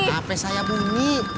hp saya bunyi